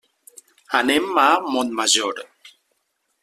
Anem a Montmajor.